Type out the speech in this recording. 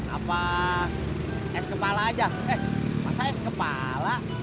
apa es kepala aja eh masa es kepala